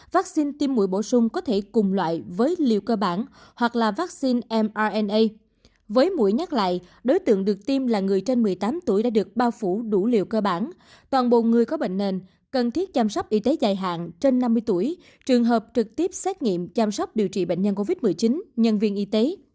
với mũi nhắc lại đối tượng được tiêm là người trên một mươi tám tuổi đã được bao phủ đủ liều cơ bản toàn bộ người có bệnh nền cần thiết chăm sóc y tế dài hạn trên năm mươi tuổi trường hợp trực tiếp xét nghiệm chăm sóc điều trị bệnh nhân covid một mươi chín nhân viên y tế